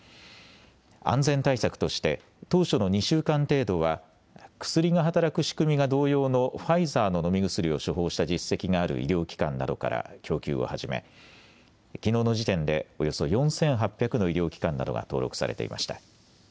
安全対策として、当初の２週間程度は、薬が働く仕組みが同様のファイザーの飲み薬を処方した実績がある医療機関などから供給を始め、きのうの時点で、およそ４８００の医療機関などが登録されていました。